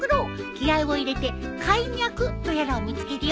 気合を入れて貝脈とやらを見つけるよ。